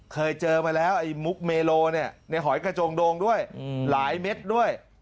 เคยเจอมาแล้วไอ้มุกเมโลในหอยกระโจงโดงด้วยหลายเม็ดด้วย